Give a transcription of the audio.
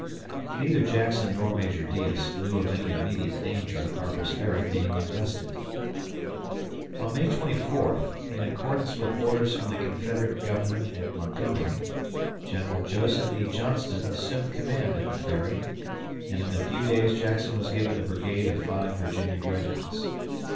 Neither Jackson nor Major Deas knew of any immediate danger of Harper's Ferry being invested. On May 24, in accordance with orders from the Confederate Government at Montgomery, General Joseph E. Johnston assumed command at the Ferry, and in a few days Jackson was given a brigade of five Virginia regiments.